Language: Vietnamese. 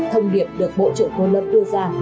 thông điệp được bộ trưởng cô lâm đưa ra